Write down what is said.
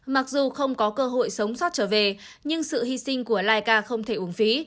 mặc dù không có cơ hội sống sót trở về nhưng sự hy sinh của laika không thể ủng phí